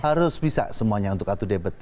harus bisa semuanya untuk utu debit